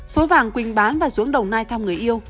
số vàng quỳnh bán và xuống đồng nai thăm người yêu